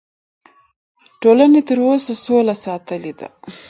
ټولنې تر اوسه سوله ساتلې ده.